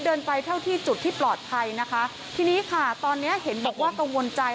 เดินไปเท่าที่จุดที่ปลอดภัยนะคะทีนี้ค่ะตอนเนี้ยเห็นบอกว่ากังวลใจ